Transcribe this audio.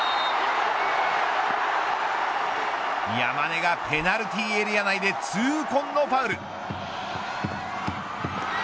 山根がペナルティーエリア内で痛恨のファウル。